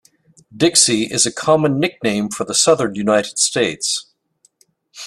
"Dixie" is a common nickname for the southern United States.